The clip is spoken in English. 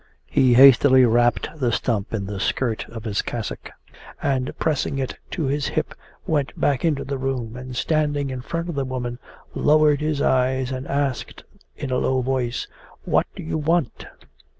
He hastily wrapped the stump in the skirt of his cassock, and pressing it to his hip went back into the room, and standing in front of the woman, lowered his eyes and asked in a low voice: 'What do you want?